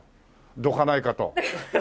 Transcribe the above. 「どかないか」と。